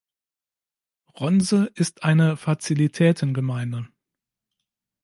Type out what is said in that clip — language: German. Ronse ist eine Fazilitäten-Gemeinde.